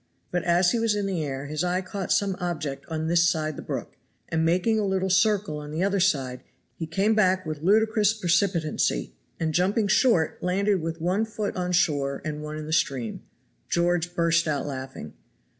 But as he was in the air his eye caught some object on this side the brook, and making a little circle on the other side, he came back with ludicrous precipitancy, and jumping short, landed with one foot on shore and one in the stream. George burst out laughing.